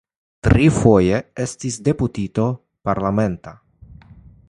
Trifoje li estis deputito parlamenta.